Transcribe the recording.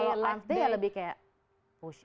kalau arm day lebih kayak push up